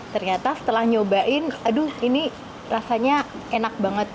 ternyata setelah nyobain aduh ini rasanya enak banget